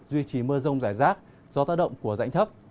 duy trì mưa rông giải rác gió ta động của rãnh thấp